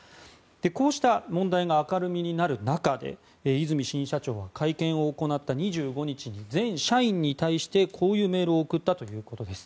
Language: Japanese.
こうした問題が明るみになる中で和泉新社長は会見を行った２５日に全社員に対してこういうメールを送ったということです。